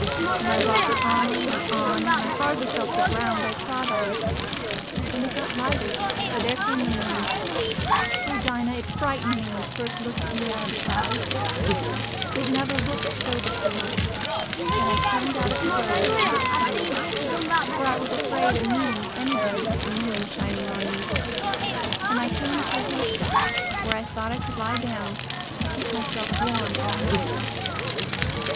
And I walked on and on, and I hardly felt the ground I trod on; and it got lighter, for there came the moon—oh, Dinah, it frightened me when it first looked at me out o' the clouds—it never looked so before; and I turned out of the road into the fields, for I was afraid o' meeting anybody with the moon shining on me. And I came to a haystack, where I thought I could lie down and keep myself warm all night.